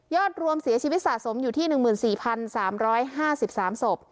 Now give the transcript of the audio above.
ยอดรวมเสียชีวิตสะสมอยู่ที่หนึ่งหมื่นสี่พันสามร้อยห้าสิบสามศพ